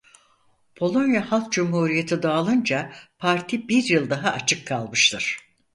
Polonya Halk Cumhuriyeti dağılınca parti bir yıl daha açık kalmıştır.